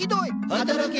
働け！